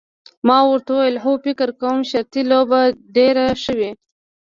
ما ورته وویل هو فکر کوم شرطي لوبه به ډېره ښه وي.